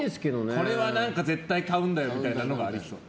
これは絶対買うんだよというのがありそう。